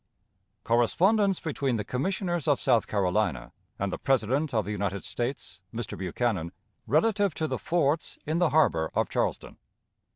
Correspondence between the Commissioners of South Carolina and the President of the United States (Mr. Buchanan) relative to the forts in the harbor of Charleston.